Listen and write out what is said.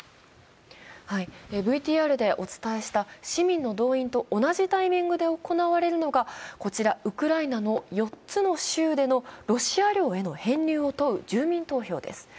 ＶＴＲでお伝えした市民の同意と同じタイミングで行われるのがウクライナの４つの州でのロシア領への編入を問う住民投票です。